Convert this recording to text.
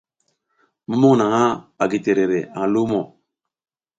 Mumuƞ naƞʼha a gi terere aƞ lumo.